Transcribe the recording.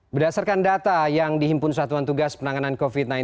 berdasarkan data yang dihimpun satuan tugas penanganan covid sembilan belas